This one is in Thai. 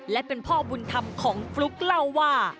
และเป็นพ่อบุญคำของฟุกเล่าว่า